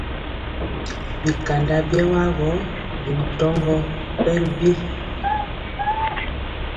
Bi kanda biewa gɔ bi ntoŋgɔ bɛ ri bi.